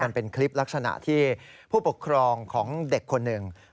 มันเป็นคลิปลักษณะที่ผู้ปกครองของเด็กคนหนึ่ง